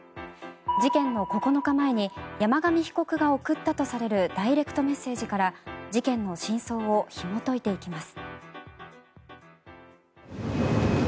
事件の９日前に山上被告が送ったとされるダイレクトメッセージから事件の真相をひもといていきます。